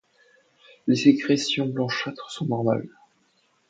Les sécrétions blanchâtres sont normales.